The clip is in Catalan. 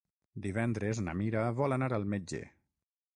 Divendres na Mira vol anar al metge.